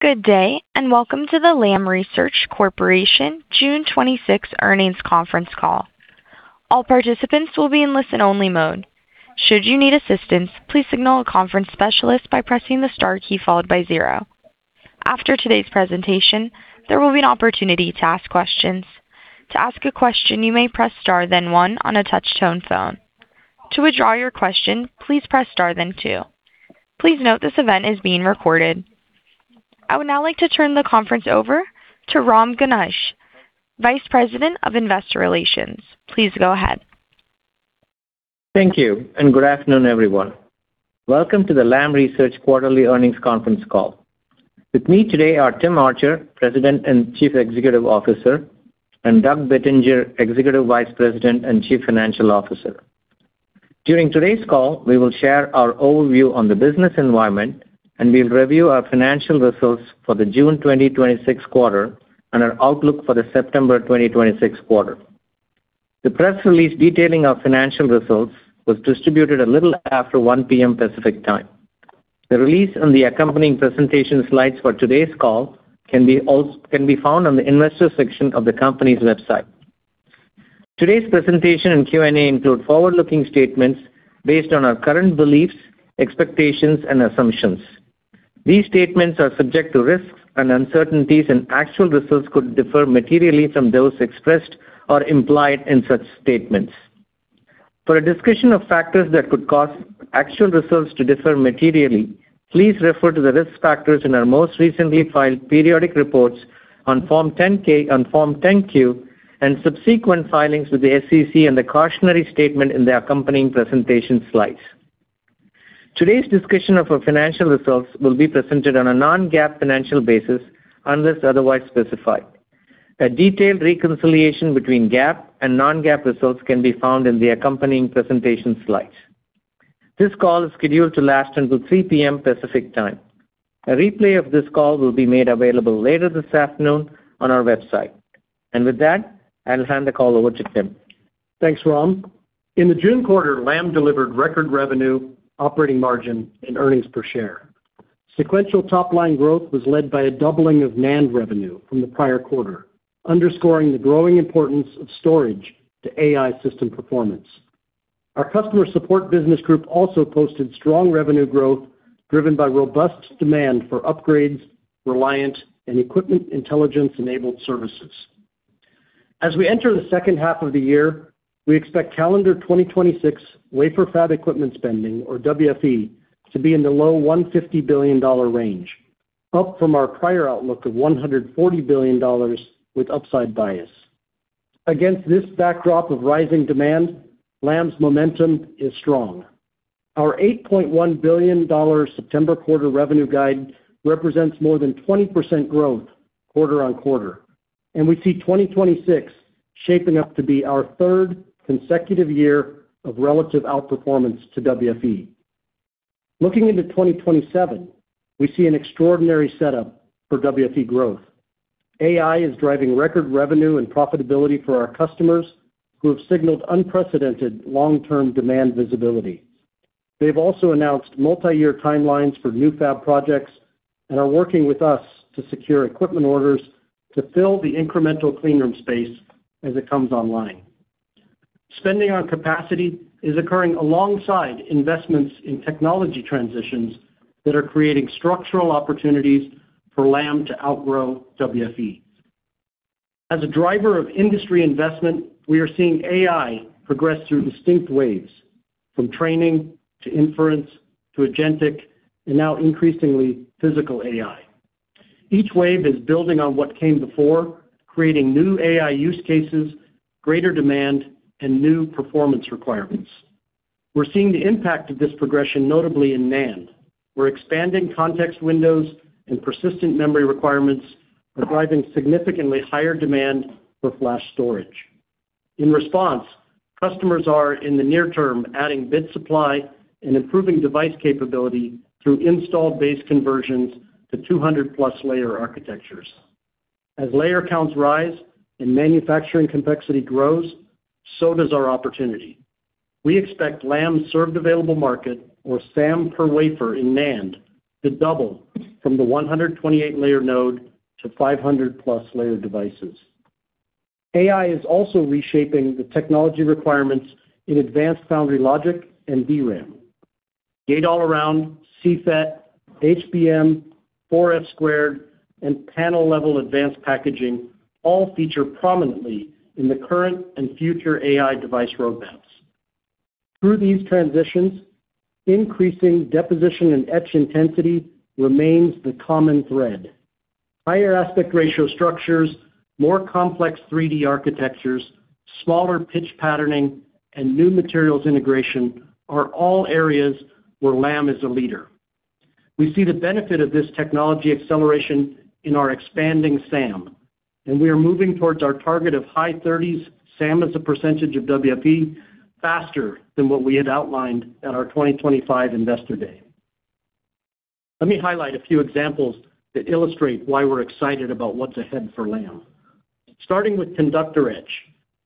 Good day, welcome to the Lam Research Corporation June 26th earnings conference call. All participants will be in listen-only mode. Should you need assistance, please signal a conference specialist by pressing the star key followed by zero. After today's presentation, there will be an opportunity to ask questions. To ask a question, you may press star then one on a touch-tone phone. To withdraw your question, please press star then two. Please note this event is being recorded. I would now like to turn the conference over to Ram Ganesh, Vice President of Investor Relations. Please go ahead. Thank you, good afternoon, everyone. Welcome to the Lam Research quarterly earnings conference call. With me today are Tim Archer, President and Chief Executive Officer, and Doug Bettinger, Executive Vice President and Chief Financial Officer. During today's call, we will share our overview on the business environment, we'll review our financial results for the June 2026 quarter and our outlook for the September 2026 quarter. The press release detailing our financial results was distributed a little after 1:00 P.M. Pacific Time. The release and the accompanying presentation slides for today's call can be found on the investor section of the company's website. Today's presentation Q&A include forward-looking statements based on our current beliefs, expectations, and assumptions. These statements are subject to risks and uncertainties, actual results could differ materially from those expressed or implied in such statements. For a discussion of factors that could cause actual results to differ materially, please refer to the risk factors in our most recently filed periodic reports on Form 10-K and Form 10-Q, subsequent filings with the SEC and the cautionary statement in the accompanying presentation slides. Today's discussion of our financial results will be presented on a non-GAAP financial basis unless otherwise specified. A detailed reconciliation between GAAP and non-GAAP results can be found in the accompanying presentation slides. This call is scheduled to last until 3:00 P.M. Pacific Time. A replay of this call will be made available later this afternoon on our website. With that, I'll hand the call over to Tim. Thanks, Ram. In the June quarter, Lam delivered record revenue, operating margin, and earnings per share. Sequential top-line growth was led by a doubling of NAND revenue from the prior quarter, underscoring the growing importance of storage to AI system performance. Our Customer Support Business Group also posted strong revenue growth driven by robust demand for upgrades, Reliant, and Equipment Intelligence-enabled services. As we enter the second half of the year, we expect calendar 2026 wafer fab equipment spending, or WFE, to be in the low $150 billion range, up from our prior outlook of $140 billion with upside bias. Against this backdrop of rising demand, Lam's momentum is strong. Our $8.1 billion September quarter revenue guide represents more than 20% growth quarter-on-quarter, we see 2026 shaping up to be our third consecutive year of relative outperformance to WFE. Looking into 2027, we see an extraordinary setup for WFE growth. AI is driving record revenue and profitability for our customers, who have signaled unprecedented long-term demand visibility. They've also announced multi-year timelines for new fab projects and are working with us to secure equipment orders to fill the incremental clean room space as it comes online. Spending on capacity is occurring alongside investments in technology transitions that are creating structural opportunities for Lam to outgrow WFE. As a driver of industry investment, we are seeing AI progress through distinct waves, from training to inference to agentic, and now increasingly physical AI. Each wave is building on what came before, creating new AI use cases, greater demand, and new performance requirements. We're seeing the impact of this progression, notably in NAND, where expanding context windows and persistent memory requirements are driving significantly higher demand for flash storage. In response, customers are in the near term adding bit supply and improving device capability through installed base conversions to 200+ layer architectures. As layer counts rise and manufacturing complexity grows, so does our opportunity. We expect Lam Served Available Market, or SAM per wafer in NAND, to double from the 128-layer node to 500+ layer devices. AI is also reshaping the technology requirements in advanced foundry logic and DRAM. Gate-All-Around, CFET, HBM, 4F squared, and panel-level advanced packaging all feature prominently in the current and future AI device roadmaps. Through these transitions, increasing deposition and etch intensity remains the common thread. Higher aspect ratio structures, more complex 3D architectures, smaller pitch patterning, and new materials integration are all areas where Lam is a leader. We see the benefit of this technology acceleration in our expanding SAM, and we are moving towards our target of high 30s SAM as a percentage of WFE faster than what we had outlined at our 2025 Investor Day. Let me highlight a few examples that illustrate why we're excited about what's ahead for Lam. Starting with conductor etch,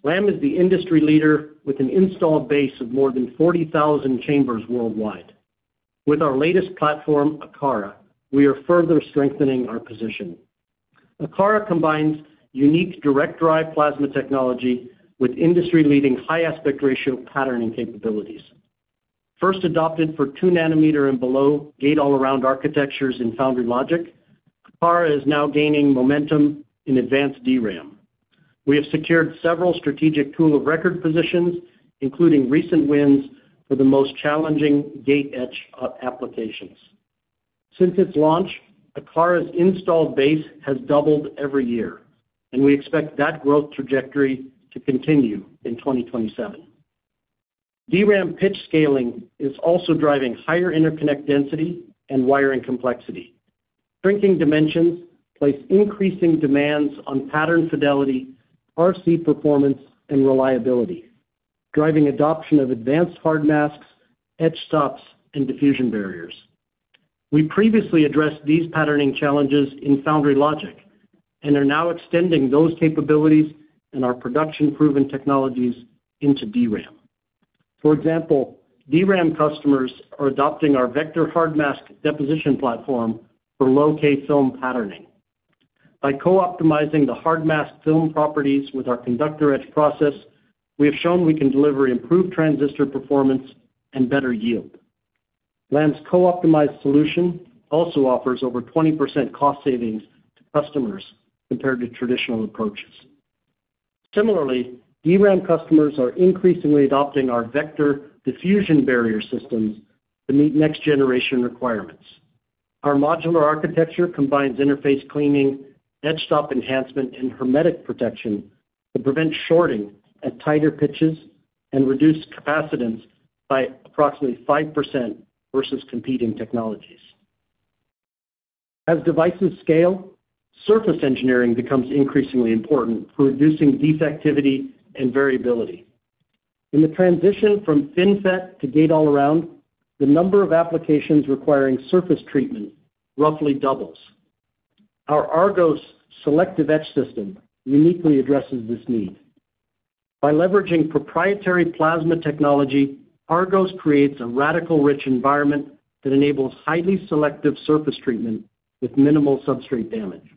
Lam is the industry leader with an installed base of more than 40,000 chambers worldwide. With our latest platform, Akara, we are further strengthening our position. Akara combines unique direct drive plasma technology with industry-leading high aspect ratio patterning capabilities. First adopted for 2 nm and below Gate-All-Around architectures in foundry logic, Akara is now gaining momentum in advanced DRAM. We have secured several strategic tool of record positions, including recent wins for the most challenging gate etch applications. Since its launch, Akara's installed base has doubled every year, and we expect that growth trajectory to continue in 2027. DRAM pitch scaling is also driving higher interconnect density and wiring complexity. Shrinking dimensions place increasing demands on pattern fidelity, RC performance, and reliability, driving adoption of advanced hard masks, etch stops, and diffusion barriers. We previously addressed these patterning challenges in foundry logic and are now extending those capabilities and our production-proven technologies into DRAM. For example, DRAM customers are adopting our Vector hard mask deposition platform for low-K film patterning. By co-optimizing the hard mask film properties with our conductor etch process, we have shown we can deliver improved transistor performance and better yield. Lam's co-optimized solution also offers over 20% cost savings to customers compared to traditional approaches. Similarly, DRAM customers are increasingly adopting our Vector diffusion barrier systems to meet next-generation requirements. Our modular architecture combines interface cleaning, etch stop enhancement, and hermetic protection to prevent shorting at tighter pitches and reduce capacitance by approximately 5% versus competing technologies. As devices scale, surface engineering becomes increasingly important for reducing defectivity and variability. In the transition from FinFET to Gate-All-Around, the number of applications requiring surface treatment roughly doubles. Our Argos selective etch system uniquely addresses this need. By leveraging proprietary plasma technology, Argos creates a radical-rich environment that enables highly selective surface treatment with minimal substrate damage.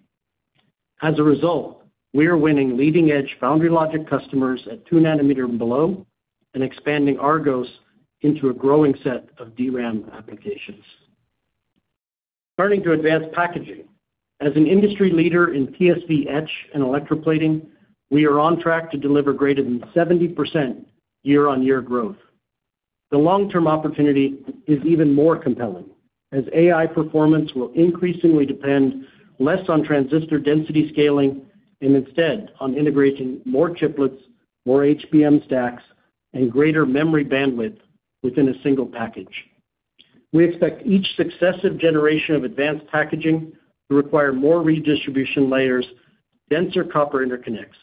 As a result, we are winning leading-edge foundry logic customers at 2 nm and below and expanding Argos into a growing set of DRAM applications. Turning to advanced packaging. As an industry leader in TSV etch and electroplating, we are on track to deliver greater than 70% year-on-year growth. The long-term opportunity is even more compelling, as AI performance will increasingly depend less on transistor density scaling and instead on integrating more chiplets, more HBM stacks, and greater memory bandwidth within a single package. We expect each successive generation of advanced packaging to require more redistribution layers, denser copper interconnects,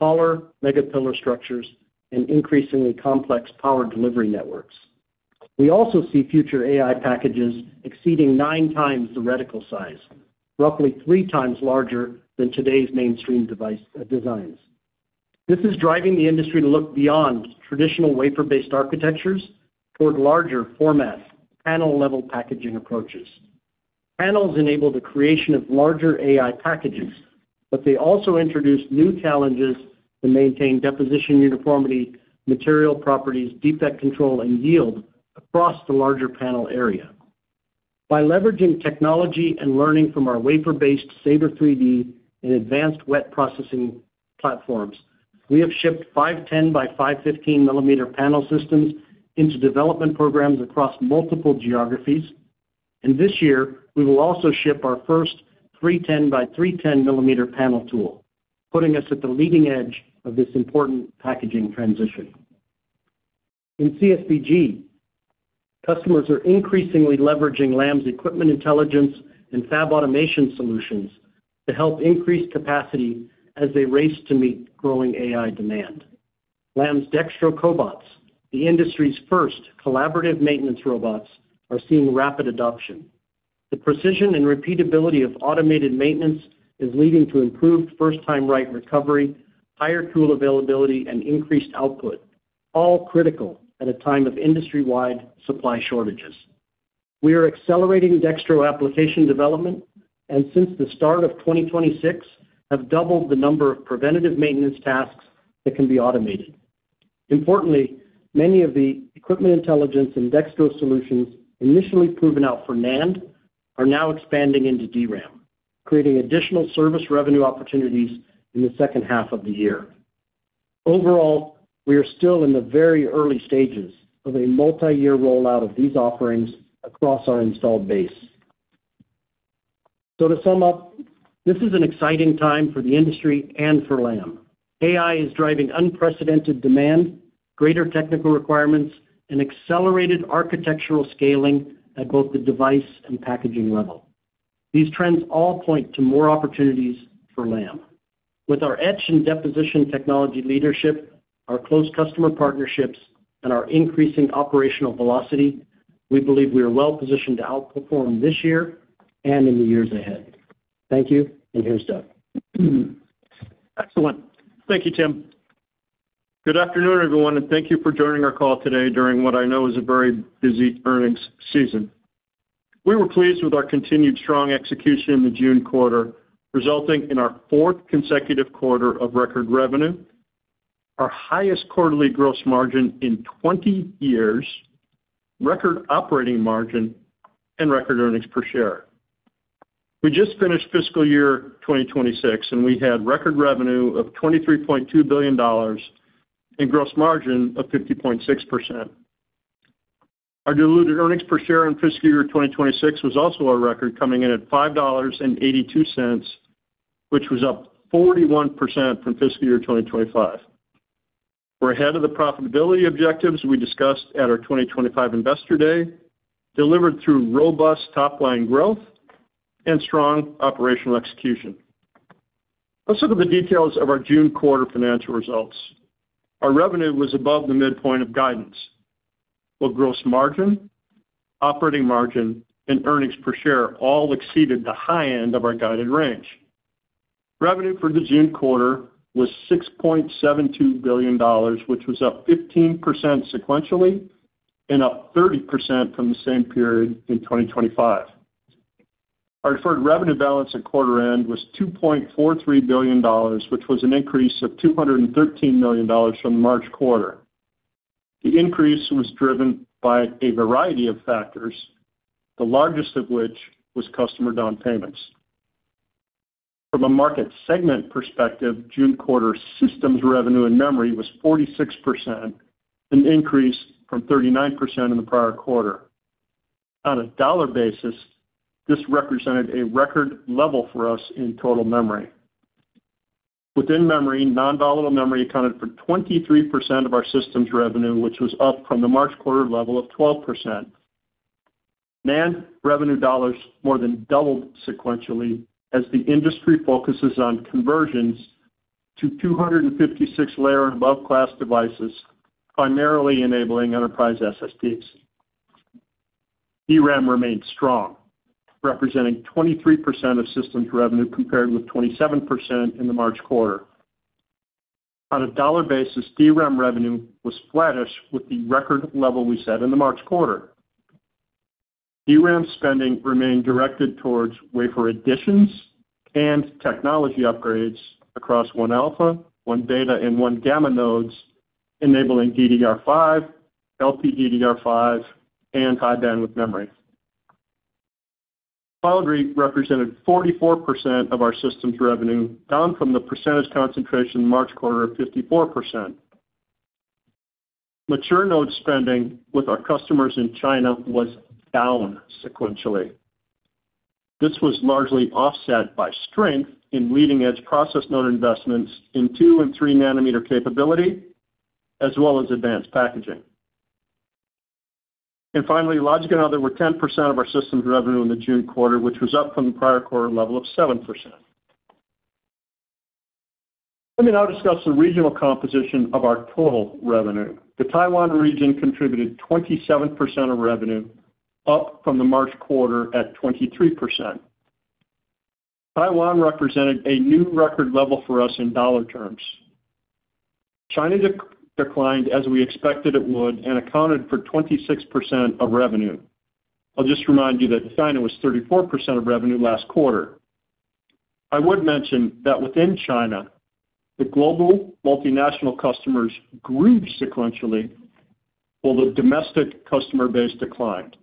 taller mega pillar structures, and increasingly complex power delivery networks. We also see future AI packages exceeding 9x the reticle size, roughly 3x larger than today's mainstream device designs. This is driving the industry to look beyond traditional wafer-based architectures toward larger format, panel-level packaging approaches. Panels enable the creation of larger AI packages, but they also introduce new challenges to maintain deposition uniformity, material properties, defect control, and yield across the larger panel area. By leveraging technology and learning from our wafer-based SABRE 3D and advanced wet processing platforms, we have shipped 510 mm by 515 mm panel systems into development programs across multiple geographies. This year, we will also ship our first 310 mm by 310 mm panel tool, putting us at the leading edge of this important packaging transition. In CSBG, customers are increasingly leveraging Lam's Equipment Intelligence and fab automation solutions to help increase capacity as they race to meet growing AI demand. Lam's Dextro Cobots, the industry's first collaborative maintenance robots, are seeing rapid adoption. The precision and repeatability of automated maintenance is leading to improved first-time right recovery, higher tool availability, and increased output, all critical at a time of industry-wide supply shortages. We are accelerating Dextro application development, and since the start of 2026, have doubled the number of preventative maintenance tasks that can be automated. Importantly, many of the Equipment Intelligence and Dextro solutions initially proven out for NAND are now expanding into DRAM, creating additional service revenue opportunities in the second half of the year. Overall, we are still in the very early stages of a multi-year rollout of these offerings across our installed base. To sum up, this is an exciting time for the industry and for Lam. AI is driving unprecedented demand, greater technical requirements, and accelerated architectural scaling at both the device and packaging level. These trends all point to more opportunities for Lam. With our etch and deposition technology leadership, our close customer partnerships, and our increasing operational velocity. We believe we are well-positioned to outperform this year and in the years ahead. Thank you, and here's Doug. Excellent. Thank you, Tim. Good afternoon, everyone, and thank you for joining our call today during what I know is a very busy earnings season. We were pleased with our continued strong execution in the June quarter, resulting in our fourth consecutive quarter of record revenue, our highest quarterly gross margin in 20 years, record operating margin, and record earnings per share. We just finished fiscal year 2026, and we had record revenue of $23.2 billion and gross margin of 50.6%. Our diluted earnings per share in fiscal year 2026 was also a record, coming in at $5.82, which was up 41% from fiscal year 2025. We're ahead of the profitability objectives we discussed at our 2025 Investor Day, delivered through robust top-line growth and strong operational execution. Let's look at the details of our June quarter financial results. Our revenue was above the midpoint of guidance, while gross margin, operating margin, and earnings per share all exceeded the high end of our guided range. Revenue for the June quarter was $6.72 billion, which was up 15% sequentially and up 30% from the same period in 2025. Our deferred revenue balance at quarter end was $2.43 billion, which was an increase of $213 million from the March quarter. The increase was driven by a variety of factors, the largest of which was customer down payments. From a market segment perspective, June quarter systems revenue in memory was 46%, an increase from 39% in the prior quarter. On a dollar basis, this represented a record level for us in total memory. Within memory, non-volatile memory accounted for 23% of our systems revenue, which was up from the March quarter level of 12%. NAND revenue dollars more than doubled sequentially as the industry focuses on conversions to 256 layer and above class devices, primarily enabling enterprise SSDs. DRAM remained strong, representing 23% of systems revenue, compared with 27% in the March quarter. On a dollar basis, DRAM revenue was flattish with the record level we set in the March quarter. DRAM spending remained directed towards wafer additions and technology upgrades across 1-alpha, 1beta, and 1-gamma nodes, enabling DDR5, LPDDR5, and high bandwidth memory. Foundry represented 44% of our systems revenue, down from the percentage concentration March quarter of 54%. Mature node spending with our customers in China was down sequentially. This was largely offset by strength in leading-edge process node investments in 2 nm and 3 nm capability, as well as advanced packaging. Finally, logic and other were 10% of our systems revenue in the June quarter, which was up from the prior quarter level of 7%. Let me now discuss the regional composition of our total revenue. The Taiwan region contributed 27% of revenue, up from the March quarter at 23%. Taiwan represented a new record level for us in dollar terms. China declined as we expected it would and accounted for 26% of revenue. I'll just remind you that China was 34% of revenue last quarter. I would mention that within China, the global multinational customers grew sequentially, while the domestic customer base declined.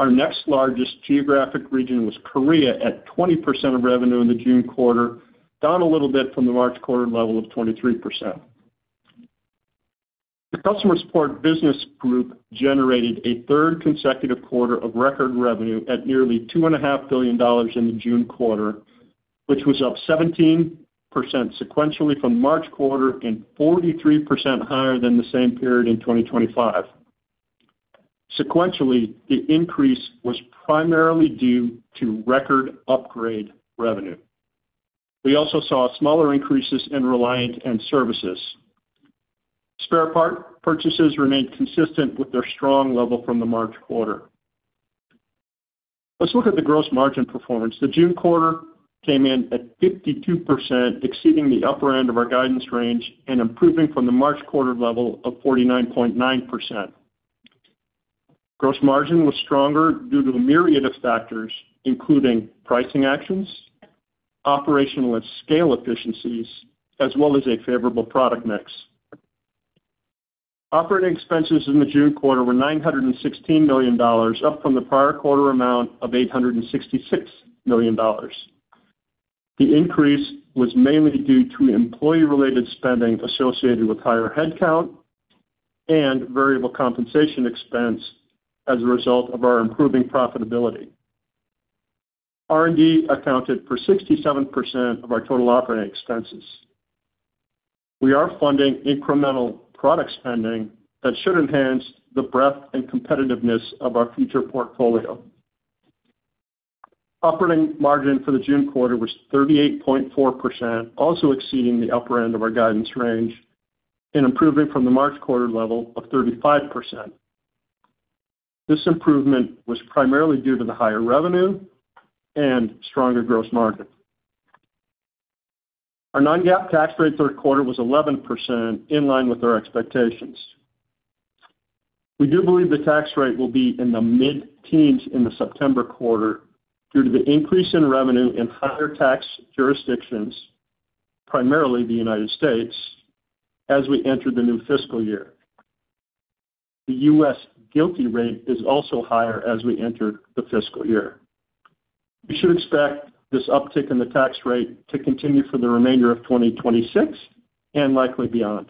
Our next largest geographic region was Korea at 20% of revenue in the June quarter, down a little bit from the March quarter level of 23%. The Customer Support Business Group generated a third consecutive quarter of record revenue at nearly $2.5 billion in the June quarter, which was up 17% sequentially from March quarter and 43% higher than the same period in 2025. Sequentially, the increase was primarily due to record upgrade revenue. We also saw smaller increases in Reliant and services. Spare part purchases remained consistent with their strong level from the March quarter. Let's look at the gross margin performance. The June quarter came in at 52%, exceeding the upper end of our guidance range and improving from the March quarter level of 49.9%. Gross margin was stronger due to a myriad of factors, including pricing actions, operational and scale efficiencies, as well as a favorable product mix. Operating expenses in the June quarter were $916 million, up from the prior quarter amount of $866 million. The increase was mainly due to employee-related spending associated with higher headcount and variable compensation expense as a result of our improving profitability. R&D accounted for 67% of our total operating expenses. We are funding incremental product spending that should enhance the breadth and competitiveness of our future portfolio. Operating margin for the June quarter was 38.4%, also exceeding the upper end of our guidance range and improving from the March quarter level of 35%. This improvement was primarily due to the higher revenue and stronger gross margin. Our non-GAAP tax rate third quarter was 11%, in line with our expectations. We do believe the tax rate will be in the mid-teens in the September quarter due to the increase in revenue in higher tax jurisdictions, primarily the United States, as we enter the new fiscal year. The U.S. GILTI rate is also higher as we enter the fiscal year. We should expect this uptick in the tax rate to continue for the remainder of 2026 and likely beyond.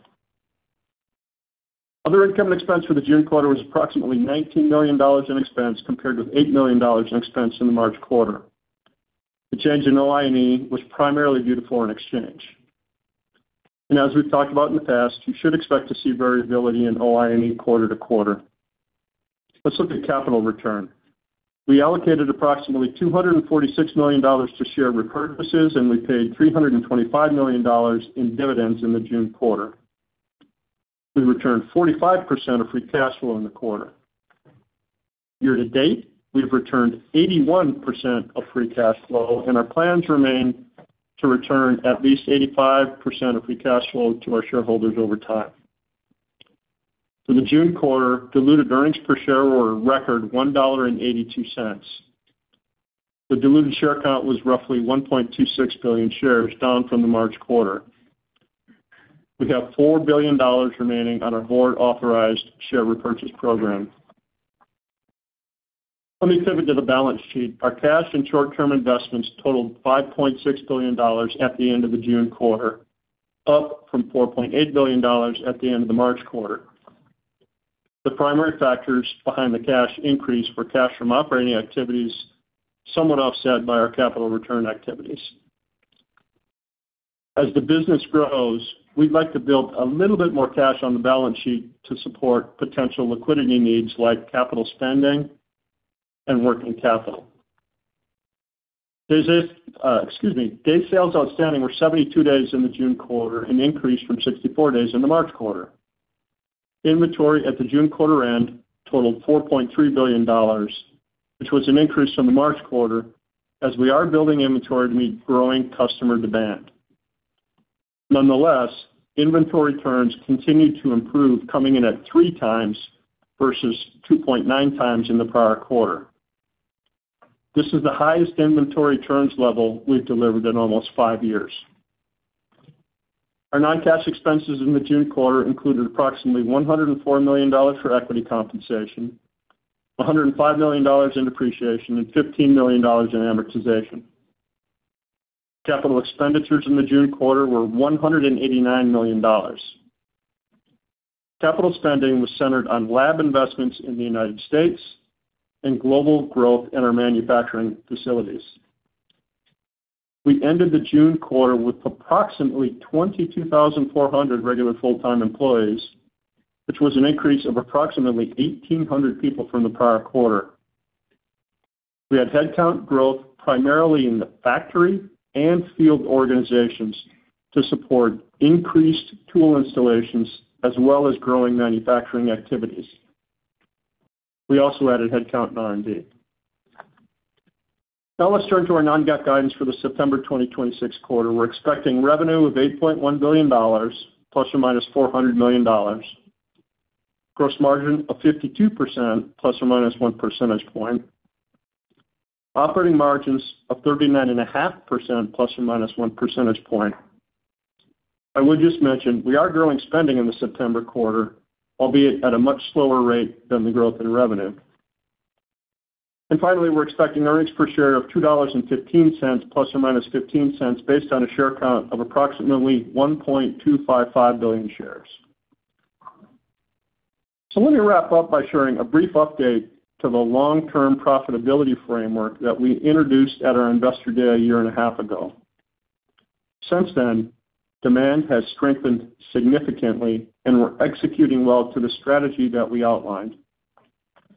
Other income and expense for the June quarter was approximately $19 million in expense, compared with $8 million in expense in the March quarter. The change in OI&E was primarily due to foreign exchange. As we've talked about in the past, you should expect to see variability in OI&E quarter-to-quarter. Let's look at capital return. We allocated approximately $246 million to share repurchases, and we paid $325 million in dividends in the June quarter. We returned 45% of free cash flow in the quarter. Year-to-date, we've returned 81% of free cash flow, and our plans remain to return at least 85% of free cash flow to our shareholders over time. For the June quarter, diluted earnings per share were a record $1.82. The diluted share count was roughly 1.26 billion shares, down from the March quarter. We have $4 billion remaining on our board-authorized share repurchase program. Let me pivot to the balance sheet. Our cash and short-term investments totaled $5.6 billion at the end of the June quarter, up from $4.8 billion at the end of the March quarter. The primary factors behind the cash increase were cash from operating activities, somewhat offset by our capital return activities. As the business grows, we'd like to build a little bit more cash on the balance sheet to support potential liquidity needs like capital spending and working capital. Days sales outstanding were 72 days in the June quarter, an increase from 64 days in the March quarter. Inventory at the June quarter end totaled $4.3 billion, which was an increase from the March quarter, as we are building inventory to meet growing customer demand. Nonetheless, inventory turns continued to improve, coming in at 3x versus 2.9x in the prior quarter. This is the highest inventory turns level we've delivered in almost five years. Our non-cash expenses in the June quarter included approximately $104 million for equity compensation, $105 million in depreciation, and $15 million in amortization. Capital expenditures in the June quarter were $189 million. Capital spending was centered on lab investments in the United States and global growth in our manufacturing facilities. We ended the June quarter with approximately 22,400 regular full-time employees, which was an increase of approximately 1,800 people from the prior quarter. We had headcount growth primarily in the factory and field organizations to support increased tool installations as well as growing manufacturing activities. We also added headcount in R&D. Now let's turn to our non-GAAP guidance for the September 2026 quarter. We're expecting revenue of $8.1 billion, ±$400 million, gross margin of 52%, ±1 percentage point, operating margins of 39.5%, ±1 percentage point. I would just mention, we are growing spending in the September quarter, albeit at a much slower rate than the growth in revenue. And finally, we're expecting earnings per share of $2.15, ±$0.15, based on a share count of approximately 1.255 billion shares. So let me wrap up by sharing a brief update to the long-term profitability framework that we introduced at our Investor Day a year and a half ago. Since then, demand has strengthened significantly and we're executing well to the strategy that we outlined.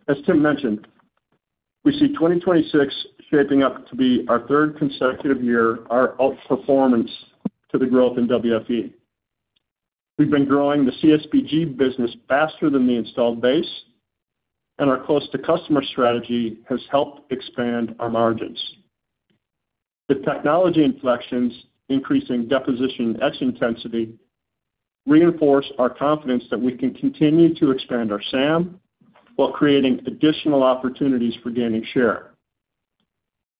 As Tim mentioned, we see 2026 shaping up to be our third consecutive year, our outperformance to the growth in WFE. We've been growing the CSBG business faster than the installed base, and our close-to-customer strategy has helped expand our margins. The technology inflections increasing deposition etch intensity reinforce our confidence that we can continue to expand our SAM while creating additional opportunities for gaining share.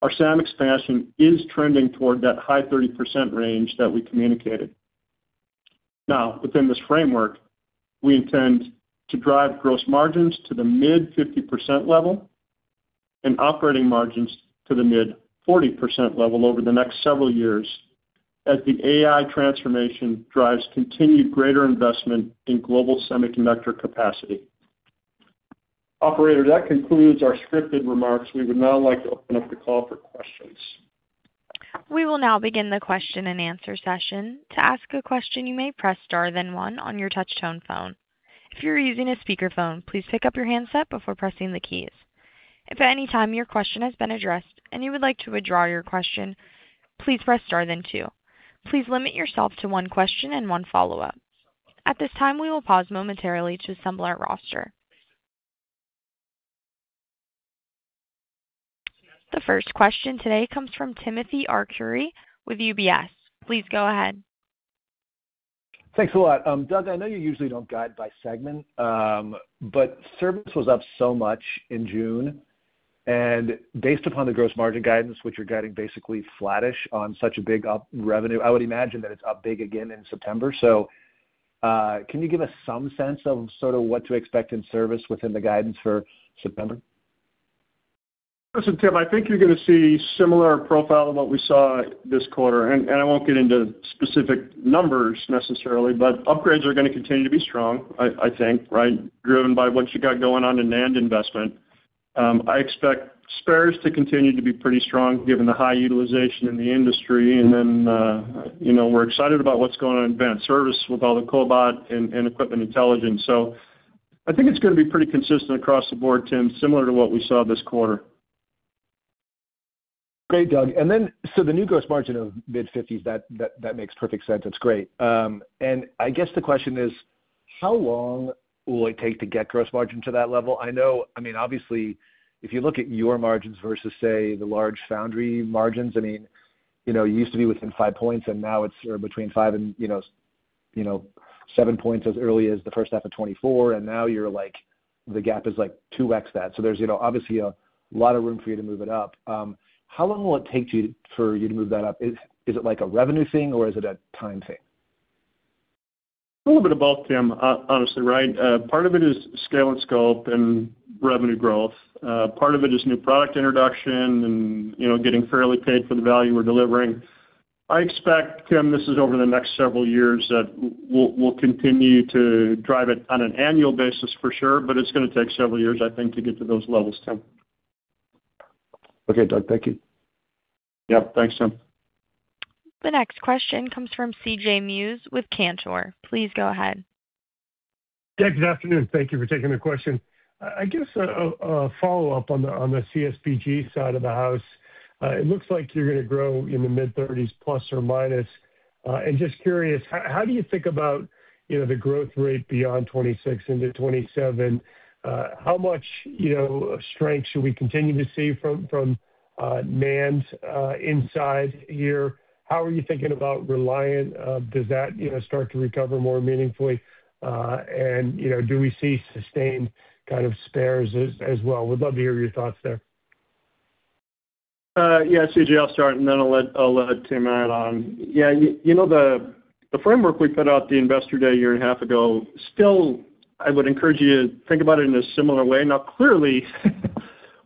Our SAM expansion is trending toward that high 30% range that we communicated. Now, within this framework, we intend to drive gross margins to the mid-50% level and operating margins to the mid-40% level over the next several years as the AI transformation drives continued greater investment in global semiconductor capacity. Operator, that concludes our scripted remarks. We would now like to open up the call for questions. We will now begin the question and answer session. To ask a question, you may press star then one on your touch-tone phone. If you're using a speakerphone, please pick up your handset before pressing the keys. If at any time your question has been addressed and you would like to withdraw your question, please press star then two. Please limit yourself to one question and one follow-up. At this time, we will pause momentarily to assemble our roster. The first question today comes from Timothy Arcuri with UBS. Please go ahead. Thanks a lot. Doug, I know you usually don't guide by segment, but service was up so much in June, and based upon the gross margin guidance, which you're guiding basically flattish on such a big up revenue. I would imagine that it's up big again in September. Can you give us some sense of sort of what to expect in service within the guidance for September? Listen, Tim, I think you're going to see similar profile of what we saw this quarter, and I won't get into specific numbers necessarily, but upgrades are going to continue to be strong, I think, right? Driven by what you got going on in NAND investment. I expect spares to continue to be pretty strong given the high utilization in the industry. Then we're excited about what's going on in advanced service with all the cobot and Equipment Intelligence. I think it's going to be pretty consistent across the board, Tim, similar to what we saw this quarter. Great, Doug. The new gross margin of mid-50s, that makes perfect sense. That's great. I guess the question is, how long will it take to get gross margin to that level? I know, obviously, if you look at your margins versus, say, the large foundry margins, you used to be within five points, and now it's between five and seven points as early as the first half of 2024, and now the gap is like 2x that. There's obviously a lot of room for you to move it up. How long will it take for you to move that up? Is it like a revenue thing or is it a time thing? A little bit of both, Tim, honestly, right? Part of it is scale and scope and revenue growth. Part of it is new product introduction and getting fairly paid for the value we're delivering. I expect, Tim, this is over the next several years, that we'll continue to drive it on an annual basis for sure, but it's going to take several years, I think, to get to those levels, Tim. Okay, Doug. Thank you. Yep. Thanks, Tim. The next question comes from C.J. Muse with Cantor. Please go ahead. Good afternoon. Thank you for taking the question. I guess a follow-up on the CSBG side of the house. It looks like you're going to grow in the mid-30s, ±. Just curious, how do you think about the growth rate beyond 2026 into 2027? How much strength should we continue to see from NAND's inside here? How are you thinking about Reliant? Does that start to recover more meaningfully? Do we see sustained kind of spares as well? Would love to hear your thoughts there. C.J., I'll start and then I'll let Tim add on. The framework we put out the Investor Day a year and a half ago, still, I would encourage you to think about it in a similar way. Clearly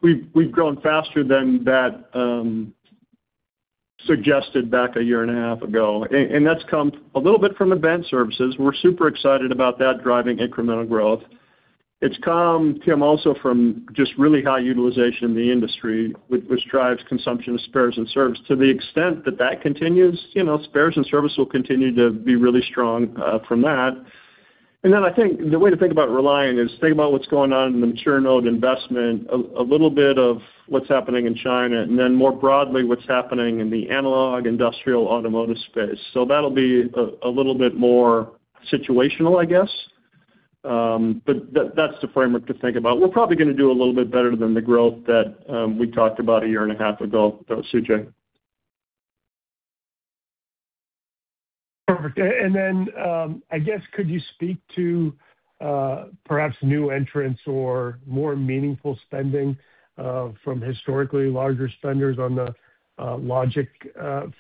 we've grown faster than that suggested back a year and a half ago, and that's come a little bit from advanced services. We're super excited about that driving incremental growth. It's come, Tim, also from just really high utilization in the industry, which drives consumption of spares and service to the extent that that continues, spares and service will continue to be really strong from that. I think the way to think about Reliant is think about what's going on in the mature node investment, a little bit of what's happening in China, and then more broadly, what's happening in the analog industrial automotive space. That'll be a little bit more situational, I guess. That's the framework to think about. We're probably going to do a little bit better than the growth that we talked about a year and a half ago though, C.J. Perfect. I guess, could you speak to perhaps new entrants or more meaningful spending from historically larger spenders on the logic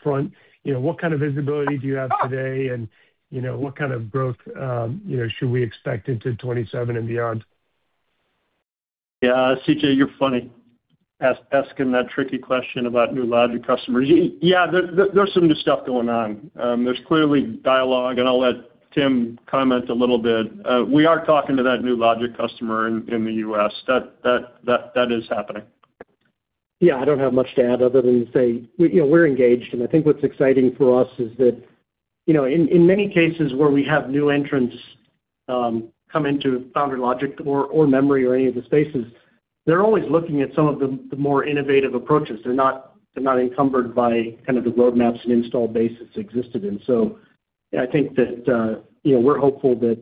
front? What kind of visibility do you have today and what kind of growth should we expect into 2027 and beyond? Yeah, C.J., you're funny, asking that tricky question about new logic customers. Yeah, there's some new stuff going on. There's clearly dialogue, and I'll let Tim comment a little bit. We are talking to that new logic customer in the U.S. That is happening. Yeah, I don't have much to add other than say we're engaged. I think what's exciting for us is that, in many cases where we have new entrants come into foundry logic or memory or any of the spaces, they're always looking at some of the more innovative approaches. They're not encumbered by kind of the roadmaps and install base it's existed in. I think that we're hopeful that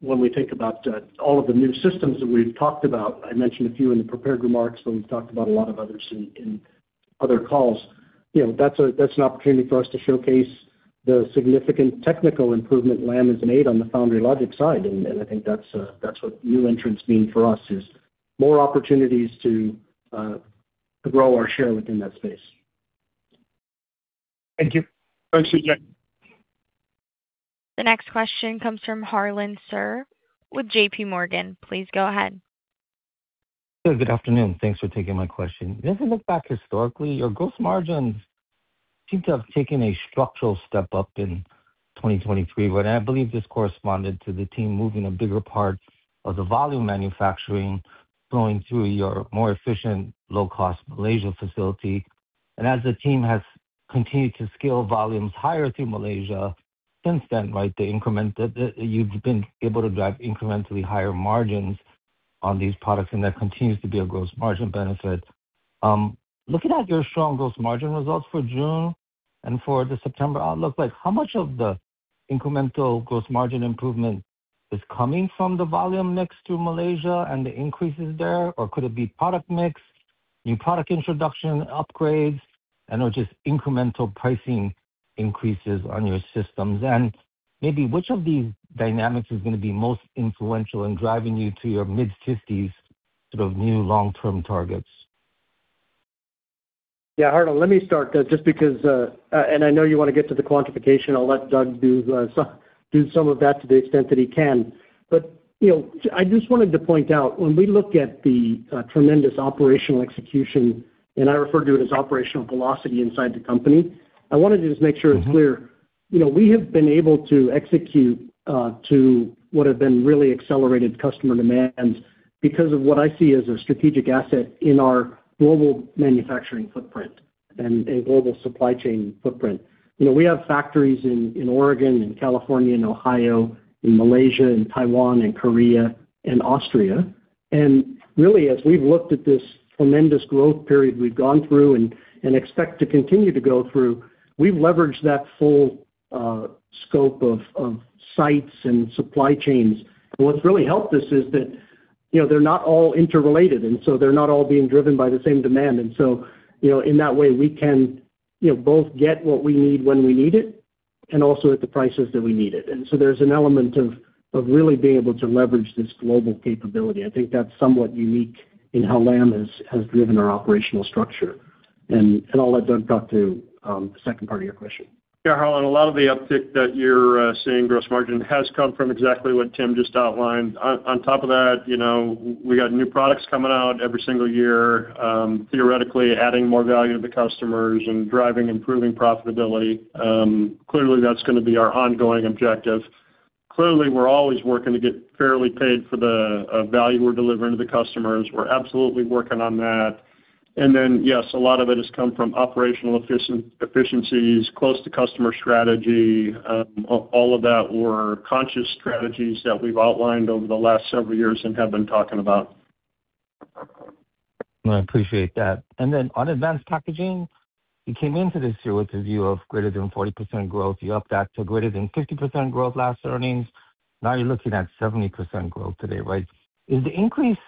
when we think about all of the new systems that we've talked about, I mentioned a few in the prepared remarks, but we've talked about a lot of others in other calls. That's an opportunity for us to showcase the significant technical improvement Lam has made on the foundry logic side. I think that's what new entrants mean for us, is more opportunities to grow our share within that space. Thank you. Thanks, C.J. The next question comes from Harlan Sur with JPMorgan. Please go ahead. Good afternoon. Thanks for taking my question. As I look back historically, your gross margins seem to have taken a structural step up in 2023. I believe this corresponded to the team moving a bigger part of the volume manufacturing flowing through your more efficient low-cost Malaysia facility. As the team has continued to scale volumes higher through Malaysia since then, you've been able to drive incrementally higher margins on these products, and that continues to be a gross margin benefit. Looking at your strong gross margin results for June and for the September outlook, how much of the incremental gross margin improvement is coming from the volume mix to Malaysia and the increases there? Or could it be product mix, new product introduction upgrades, and/or just incremental pricing increases on your systems? Maybe which of these dynamics is going to be most influential in driving you to your mid-50s sort of new long-term targets? Yeah. Harlan, let me start. I know you want to get to the quantification. I'll let Doug do some of that to the extent that he can. I just wanted to point out, when we look at the tremendous operational execution, I refer to it as operational velocity inside the company, I wanted to just make sure it's clear. We have been able to execute to what have been really accelerated customer demands because of what I see as a strategic asset in our global manufacturing footprint and global supply chain footprint. We have factories in Oregon and California and Ohio, in Malaysia and Taiwan and Korea and Austria. Really, as we've looked at this tremendous growth period we've gone through and expect to continue to go through, we've leveraged that full scope of sites and supply chains. What's really helped us is that they're not all interrelated, they're not all being driven by the same demand. In that way, we can both get what we need when we need it and also at the prices that we need it. There's an element of really being able to leverage this global capability. I think that's somewhat unique in how Lam has driven our operational structure. I'll let Doug talk to the second part of your question. Yeah, Harlan, a lot of the uptick that you're seeing gross margin has come from exactly what Tim just outlined. On top of that, we got new products coming out every single year, theoretically adding more value to customers and driving improving profitability. Clearly, that's going to be our ongoing objective. Clearly, we're always working to get fairly paid for the value we're delivering to the customers. We're absolutely working on that. Yes, a lot of it has come from operational efficiencies, close to customer strategy. All of that were conscious strategies that we've outlined over the last several years and have been talking about. No, I appreciate that. On advanced packaging, you came into this year with a view of greater than 40% growth. You upped that to greater than 50% growth last earnings. Now you're looking at 70% growth today, right? Is the increase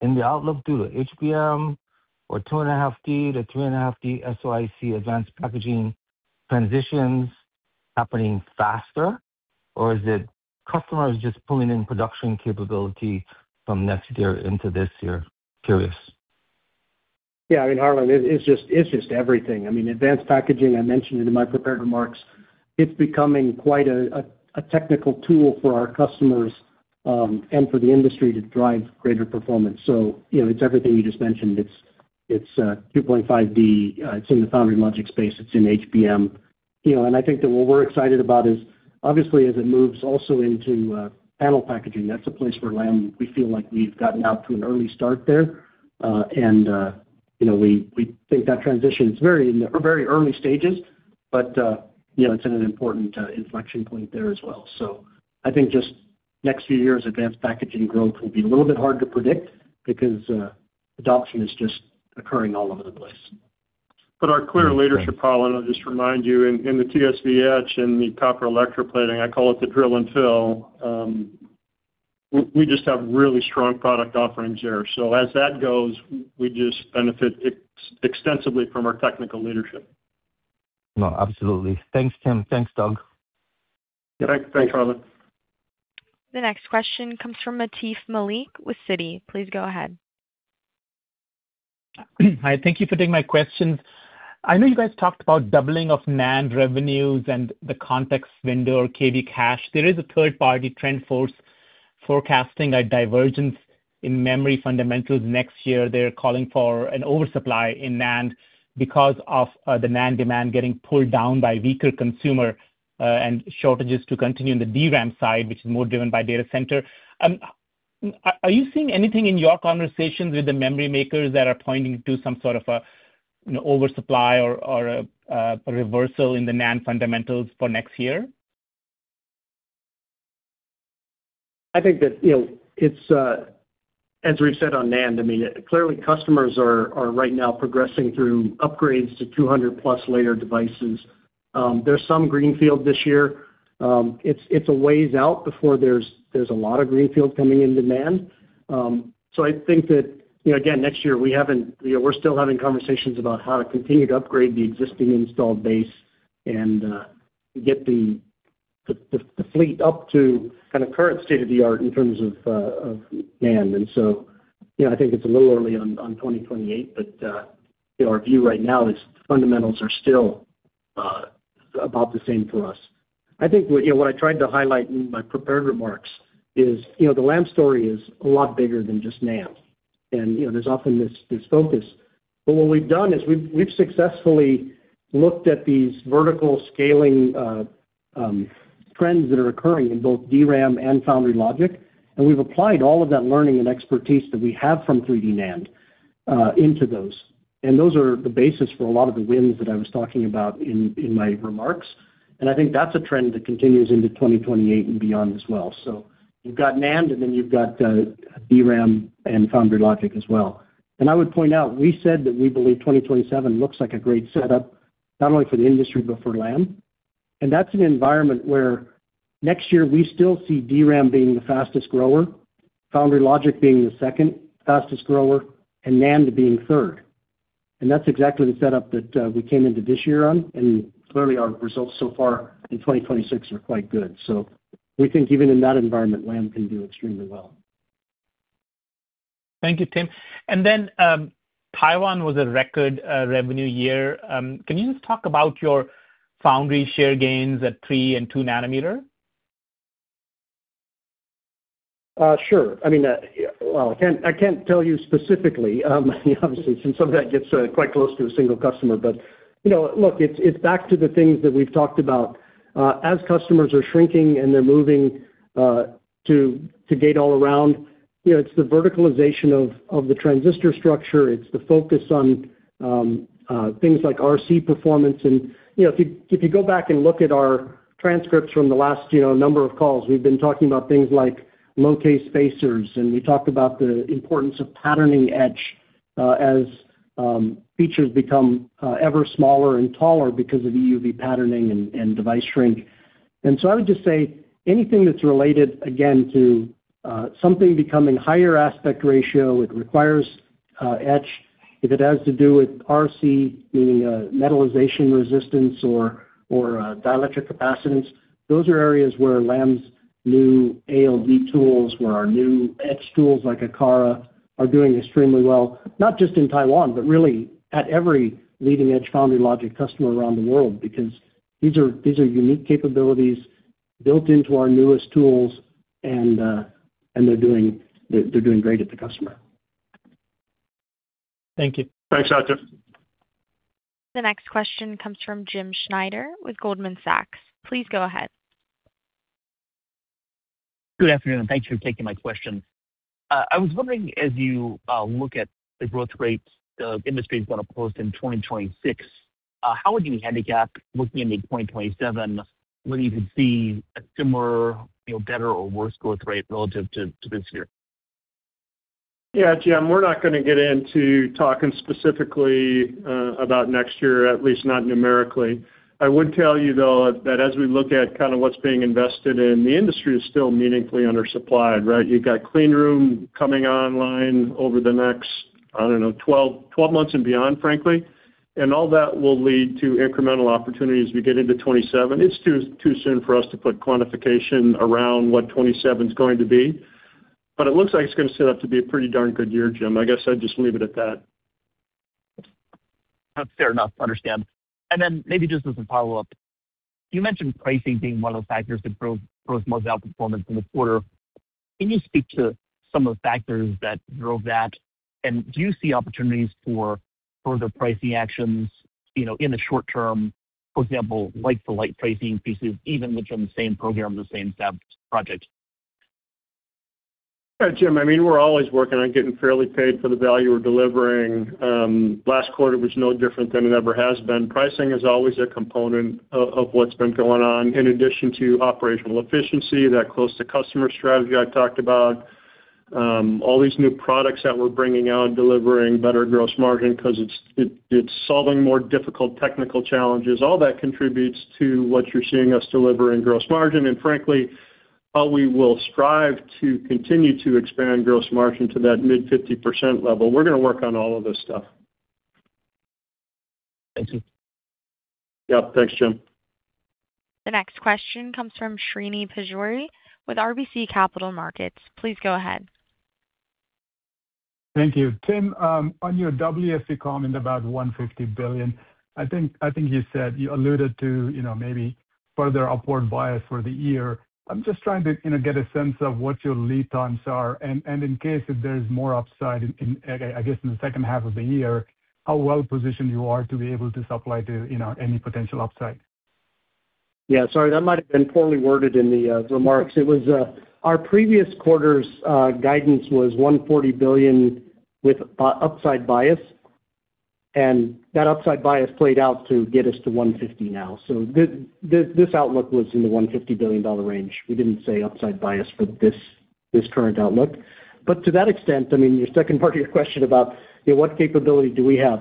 in the outlook due to HBM or 2.5D-3.5D SOIC advanced packaging transitions happening faster, or is it customers just pulling in production capability from next year into this year? Curious. Yeah, Harlan, it's just everything. Advanced packaging, I mentioned it in my prepared remarks, it's becoming quite a technical tool for our customers and for the industry to drive greater performance. It's everything you just mentioned. It's 2.5D. It's in the foundry logic space. It's in HBM. I think that what we're excited about is, obviously, as it moves also into panel packaging, that's a place where Lam, we feel like we've gotten out to an early start there. We think that transition is very early stages, but it's in an important inflection point there as well. I think just next few years, advanced packaging growth will be a little bit hard to predict because adoption is just occurring all over the place. Our clear leadership, Harlan, I'll just remind you, in the TSV etch and the copper electroplating, I call it the drill and fill, we just have really strong product offerings there. As that goes, we just benefit extensively from our technical leadership. No, absolutely. Thanks, Tim. Thanks, Doug. Yeah. Thanks, Harlan. The next question comes from Atif Malik with Citi. Please go ahead. Hi, thank you for taking my questions. I know you guys talked about doubling of NAND revenues and the context window, KV cache. There is a third-party TrendForce forecasting a divergence in memory fundamentals next year. They're calling for an oversupply in NAND because of the NAND demand getting pulled down by weaker consumer, and shortages to continue in the DRAM side, which is more driven by data center. Are you seeing anything in your conversations with the memory makers that are pointing to some sort of an oversupply or a reversal in the NAND fundamentals for next year? I think that, as we've said on NAND, clearly customers are right now progressing through upgrades to 200+ layer devices. There's some greenfield this year. It's a ways out before there's a lot of greenfield coming into NAND. I think that, again, next year, we're still having conversations about how to continue to upgrade the existing installed base and get the fleet up to kind of current state-of-the-art in terms of NAND. I think it's a little early on 2028, but our view right now is the fundamentals are still about the same for us. I think what I tried to highlight in my prepared remarks is the Lam story is a lot bigger than just NAND. There's often this focus. What we've done is we've successfully looked at these vertical scaling trends that are occurring in both DRAM and foundry logic, and we've applied all of that learning and expertise that we have from 3D NAND into those, and those are the basis for a lot of the wins that I was talking about in my remarks. I think that's a trend that continues into 2028 and beyond as well. You've got NAND, and then you've got DRAM and foundry logic as well. I would point out, we said that we believe 2027 looks like a great setup, not only for the industry, but for Lam. That's an environment where next year we still see DRAM being the fastest grower, foundry logic being the second fastest grower, and NAND being third. That's exactly the setup that we came into this year on. Clearly, our results so far in 2026 are quite good. We think even in that environment, Lam can do extremely well. Thank you, Tim. Taiwan was a record revenue year. Can you just talk about your foundry share gains at 3 nm and 2 nm? Sure. I can't tell you specifically, obviously, since some of that gets quite close to a single customer. Look, it's back to the things that we've talked about. As customers are shrinking and they're moving to Gate-All-Around, it's the verticalization of the transistor structure. It's the focus on things like RC performance. If you go back and look at our transcripts from the last number of calls, we've been talking about things like low-k spacers, and we talked about the importance of patterning etch as features become ever smaller and taller because of EUV patterning and device shrink. I would just say anything that's related, again, to something becoming higher aspect ratio, it requires etch. If it has to do with RC, meaning metallization resistance or dielectric capacitance, those are areas where Lam's new ALD tools, where our new etch tools like Akara are doing extremely well. Not just in Taiwan, but really at every leading-edge foundry logic customer around the world, because these are unique capabilities built into our newest tools, and they're doing great at the customer. Thank you. Thanks, Atif. The next question comes from Jim Schneider with Goldman Sachs. Please go ahead. Good afternoon, and thanks for taking my question. I was wondering, as you look at the growth rates the industry is going to post in 2026, how would you handicap looking into 2027, whether you could see a similar better or worse growth rate relative to this year? Yeah, Jim, we're not going to get into talking specifically about next year, at least not numerically. I would tell you, though, that as we look at what's being invested in, the industry is still meaningfully undersupplied, right? You've got clean room coming online over the next, I don't know, 12 months and beyond, frankly, and all that will lead to incremental opportunity as we get into 2027. It's too soon for us to put quantification around what 2027 is going to be, but it looks like it's going to set up to be a pretty darn good year, Jim. I guess I'd just leave it at that. That's fair enough. Understand. Maybe just as a follow-up, you mentioned pricing being one of the factors that drove gross margin performance in the quarter. Can you speak to some of the factors that drove that? Do you see opportunities for further pricing actions in the short term, for example, like-to-like pricing pieces, even within the same program, the same fab project? Yeah, Jim, we're always working on getting fairly paid for the value we're delivering. Last quarter was no different than it ever has been. Pricing is always a component of what's been going on, in addition to operational efficiency, that close to customer strategy I talked about. All these new products that we're bringing out, delivering better gross margin because it's solving more difficult technical challenges. All that contributes to what you're seeing us deliver in gross margin, and frankly, how we will strive to continue to expand gross margin to that mid-50% level. We're going to work on all of this stuff. Thank you. Yeah. Thanks, Jim. The next question comes from Srini Pajjuri with RBC Capital Markets. Please go ahead. Thank you. Tim, on your WFE comment about $150 billion, I think you said you alluded to maybe further upward bias for the year. I'm just trying to get a sense of what your lead times are, and in case if there's more upside, I guess, in the second half of the year, how well-positioned you are to be able to supply to any potential upside. Yeah, sorry, that might have been poorly worded in the remarks. Our previous quarter's guidance was $140 billion with upside bias, that upside bias played out to get us to $150 billion now. This outlook was in the $150 billion range. We didn't say upside bias for this current outlook. To that extent, your second part of your question about what capability do we have,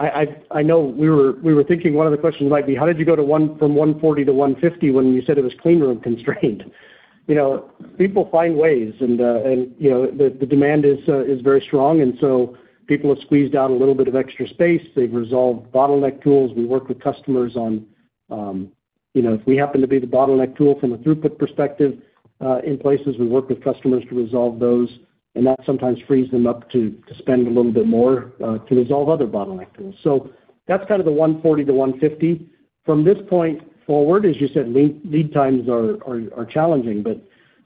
I know we were thinking one of the questions might be, how did you go from $140 billion-$150 billion when you said it was clean room constrained? People find ways, the demand is very strong, people have squeezed out a little bit of extra space. They've resolved bottleneck tools. If we happen to be the bottleneck tool from a throughput perspective in places, we work with customers to resolve those, that sometimes frees them up to spend a little bit more to resolve other bottleneck tools. That's kind of the $140 billion-$150 billion. From this point forward, as you said, lead times are challenging.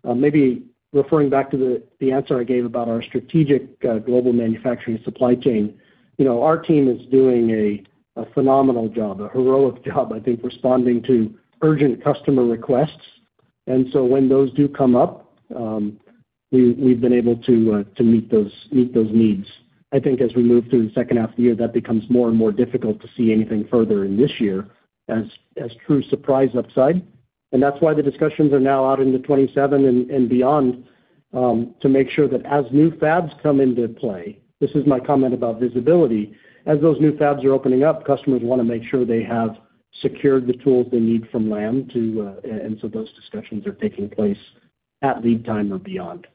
Maybe referring back to the answer I gave about our strategic global manufacturing supply chain, our team is doing a phenomenal job, a heroic job, I think, responding to urgent customer requests. When those do come up, we've been able to meet those needs. I think as we move through the second half of the year, that becomes more and more difficult to see anything further in this year as true surprise upside. That's why the discussions are now out into 2027 and beyond, to make sure that as new fabs come into play, this is my comment about visibility. As those new fabs are opening up, customers want to make sure they have secured the tools they need from Lam. Those discussions are taking place at lead time or beyond.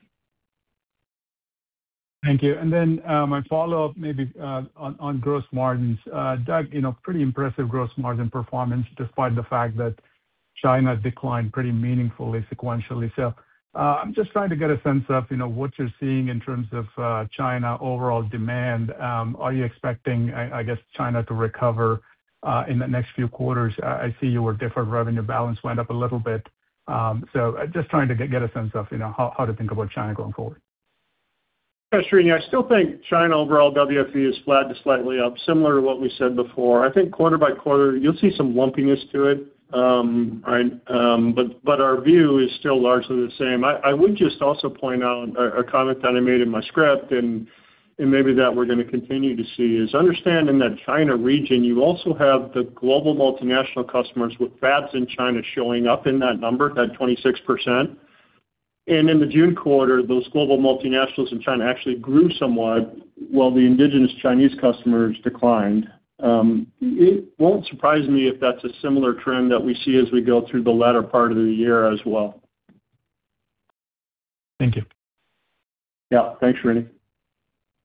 Thank you. My follow-up, maybe on gross margins. Doug, pretty impressive gross margin performance despite the fact that China declined pretty meaningfully sequentially. I'm just trying to get a sense of what you're seeing in terms of China overall demand. Are you expecting, I guess, China to recover in the next few quarters? I see your deferred revenue balance went up a little bit. Just trying to get a sense of how to think about China going forward. Srini, I still think China overall WFE is flat to slightly up, similar to what we said before. Quarter-by-quarter, you'll see some lumpiness to it, but our view is still largely the same. I would just also point out a comment that I made in my script, and maybe that we're going to continue to see, is understanding that China region, you also have the global multinational customers with fabs in China showing up in that number, that 26%. In the June quarter, those global multinationals in China actually grew somewhat while the indigenous Chinese customers declined. It won't surprise me if that's a similar trend that we see as we go through the latter part of the year as well. Thank you. Yeah. Thanks, Srini.